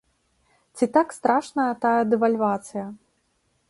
Ці так страшная тая дэвальвацыя?